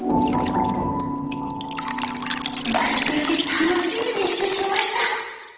毎年楽しみにしてきました。